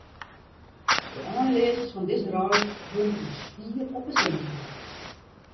De einleazens fan dizze reis wurket my swier op 'e senuwen.